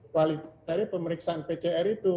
kualitas dari pemeriksaan pcr itu